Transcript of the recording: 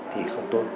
thì không tốt